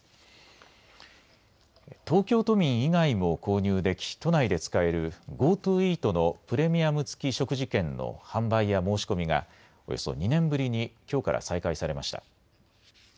東京都民以外も購入でき都内で使えるＧｏＴｏイートのプレミアム付き食事券の販売や申込みがおよそ２年ぶりにきょうから再開されました。